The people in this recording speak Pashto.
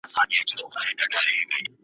په لیدلو یو د بل نه مړېدلو .